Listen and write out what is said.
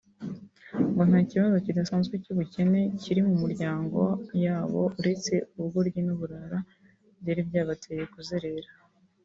ngo nta kibazo kidasanzwe cy’ubukene kiri mu miryango yabo uretse “ubugoryi n’uburara” byari byabateye kuzerera